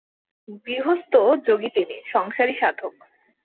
গৃহস্থ যোগী তিনি, সংসারী সাধক।